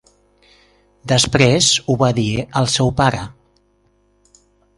Després ho va dir al seu pare